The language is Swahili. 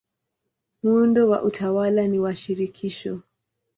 Muundo wa utawala ni wa shirikisho.